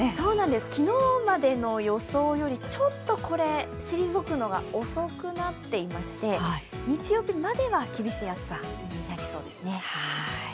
昨日までの予想よりちょっと退くのが遅くなっていまして、日曜日までは厳しい暑さになりそうですね。